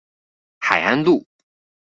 海安路